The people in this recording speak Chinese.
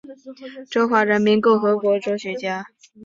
中华人民共和国哲学家。